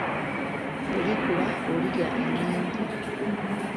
Bw'olikula olirya ennyingi.